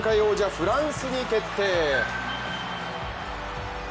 フランスに決定。